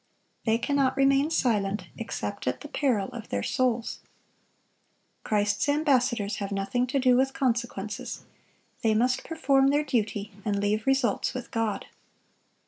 They cannot remain silent, except at the peril of their souls. Christ's ambassadors have nothing to do with consequences. They must perform their duty, and leave results with God.